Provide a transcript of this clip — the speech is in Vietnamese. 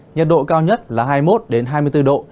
nhiệt độ cao nhất là hai mươi một hai mươi bốn độ